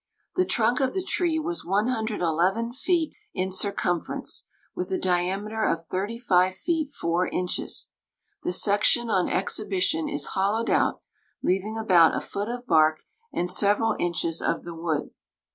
The trunk of the tree was 111 feet in circumference, with a diameter of 35 feet 4 inches. The section on exhibition is hollowed out, leaving about a foot of bark and several inches of the wood.